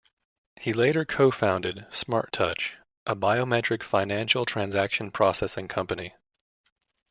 He later co-founded SmartTouch, a biometric financial transaction processing company.